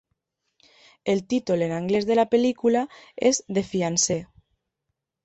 El títol en anglès de la pel·lícula és The Fiancee.